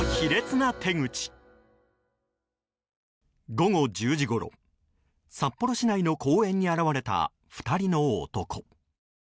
午後１０時ごろ、札幌市内の公園に現れた２人の男。